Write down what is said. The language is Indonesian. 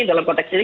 dalam konteks ini